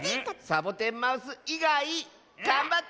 サボテンマウスいがいがんばって！